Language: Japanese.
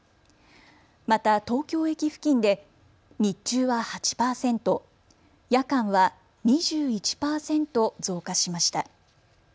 また、東京駅付近で日中は８％、夜間は２１％増加しました。